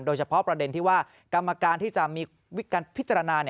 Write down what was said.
โดยเฉพาะประเด็นที่ว่ากรรมการที่จะมีการพิจารณา